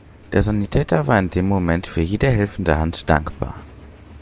Der Sanitäter war in dem Moment für jede helfende Hand dankbar.